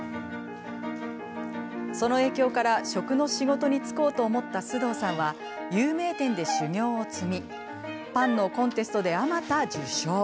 その影響から食の仕事に就こうと思った須藤さんは有名店で修業を積みパンのコンテストで、あまた受賞。